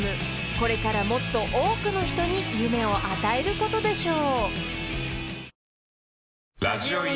［これからもっと多くの人に夢を与えることでしょう］